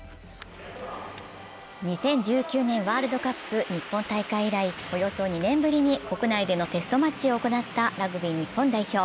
２０１９年ワールドカップ日本大会以来およそ２年ぶりに国内でのテストマッチを行ったラグビー日本代表。